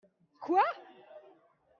Quoi ?